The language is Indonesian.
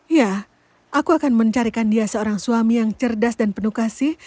ya aku akan mencarikan dia seorang suami yang cerdas dan penuh kasih